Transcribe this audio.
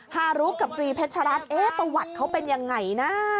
ฮารุกับปรีเพชรรัฐประวัติเขาเป็นยังไงนะ